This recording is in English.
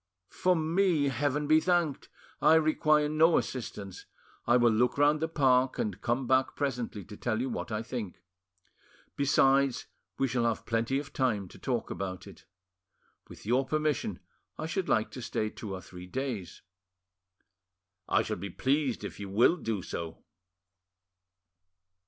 For me, Heaven be thanked! I require no assistance. I will look round the park, and come back presently to tell you what I think. Besides, we shall have plenty of time to talk about it. With your permission, I should like to stay two or three days." "I shall be pleased if you will do so."